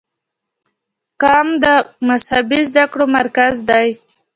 قم د مذهبي زده کړو مرکز دی.